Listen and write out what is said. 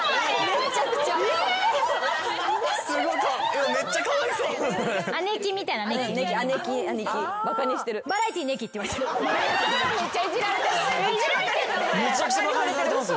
・めちゃくちゃバカにされてます。